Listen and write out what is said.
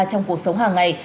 trong cuộc sống hàng ngày